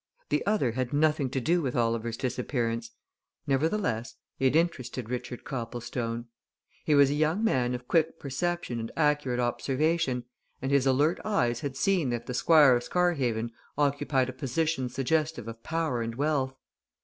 The other had nothing to do with Oliver's disappearance nevertheless, it interested Richard Copplestone. He was a young man of quick perception and accurate observation, and his alert eyes had seen that the Squire of Scarhaven occupied a position suggestive of power and wealth.